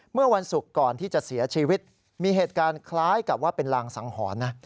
เมื่อวันศุกร์ก่อนที่จะเสียชีวิตมีเหตุการณ์คล้ายกับว่าเป็นรางสังหรณ์นะ